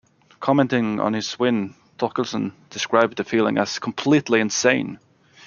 Commenting on his win, Thorkildsen described the feeling as "completely insane".